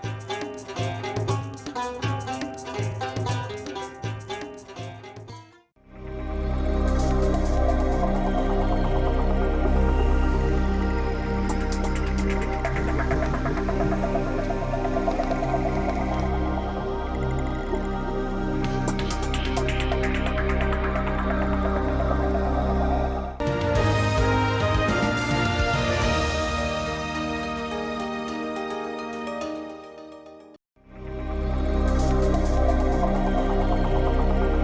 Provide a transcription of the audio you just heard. kocok bahaya di hernia